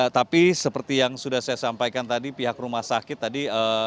tapi seperti yang sudah saya sampaikan tadi pihak rumah sakit tadi